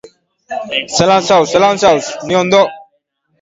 Film hartan, besteetan bezalaxe, efektu bereziek dute garrantzirik handiena.